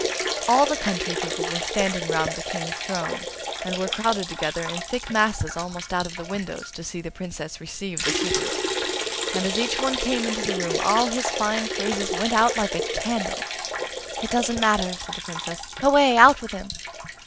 All the country people were standing round the King's throne, and were crowded together in thick masses almost out of the windows to see the Princess receive the suitors; and as each one came into the room all his fine phrases went out like a candle! 'It doesn't matter!' said the Princess. 'Away! out with him!